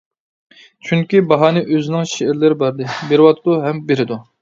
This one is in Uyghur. چۈنكى، باھانى ئۆزىنىڭ شېئىرلىرى بەردى، بېرىۋاتىدۇ ھەم بېرىدۇ.